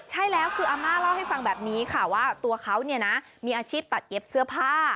ใช่แล้วคืออาม่าเล่าให้ฟังแบบนี้ค่ะว่าตัวเขาเนี่ยนะมีอาชีพตัดเย็บเสื้อผ้า